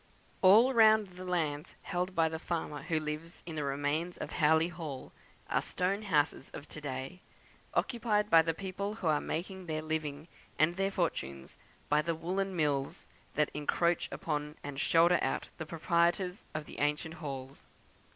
All round the lands held by the farmer who lives in the remains of Howley Hall are stone houses of to day, occupied by the people who are making their living and their fortunes by the woollen mills that encroach upon and shoulder out the proprietors of the ancient halls.